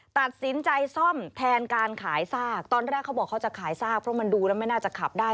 ตัดสินใจซ่อมแทนการขายซากตอนแรกเขาบอกเขาจะขายซากเพราะมันดูแล้วไม่น่าจะขับได้